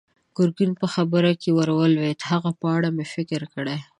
ګرګين په خبره کې ور ولوېد: د هغه په اړه مې فکر کړی.